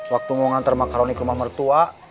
waktu mau ngantar makaroni ke rumah mertua